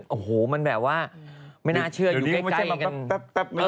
โอ้โหมันแบบว่าไม่น่าเชื่ออยู่ใกล้มันก็แป๊บ